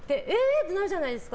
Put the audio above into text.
ってなるじゃないですか。